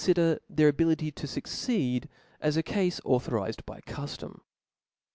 der their ability to fuccccd, as a cafe authorized by 55 in Cuftom.